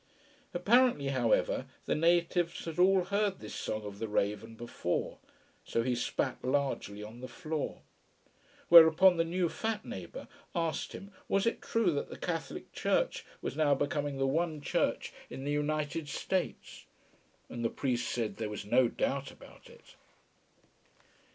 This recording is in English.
Apparently, however, the natives had all heard this song of the raven before, so he spat largely on the floor. Whereupon the new fat neighbour asked him was it true that the Catholic Church was now becoming the one Church in the United States? And the priest said there was no doubt about it.